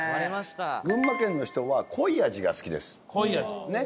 群馬県の人は濃い味が好きです。ね？